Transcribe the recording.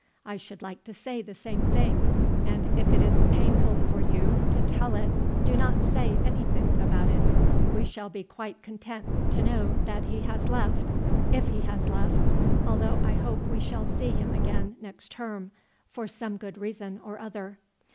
I should like to say the same thing, and if it is painful for you to tell it do not say anything about it. We shall be quite content to know that he has left, if he has left although I hope we shall see him again next term for some good reason or other."